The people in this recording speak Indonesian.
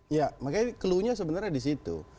ya makanya cluenya sebenarnya di situ